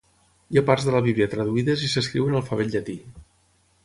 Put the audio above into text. Hi ha parts de la Bíblia traduïdes i s'escriu en alfabet llatí.